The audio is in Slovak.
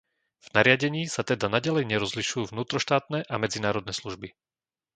V nariadení sa teda naďalej nerozlišujú vnútroštátne a medzinárodné služby.